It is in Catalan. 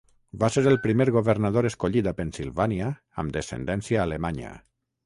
Va ser el primer governador escollit a Pennsylvania amb descendència alemanya.